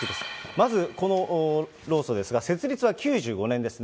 まず、この労組ですが、設立は９５年ですね。